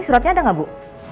ini suratnya ada gak bu